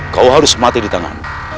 kau harus mati di tangan